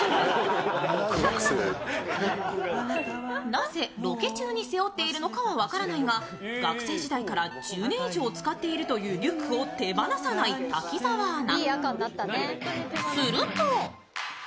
なぜロケ中に背負っているのかは分からないが、学生時代から１０年以上使っているというリュックを手放さない滝澤アナ。